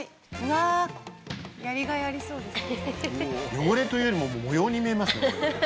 汚れというよりも模様に見えますね。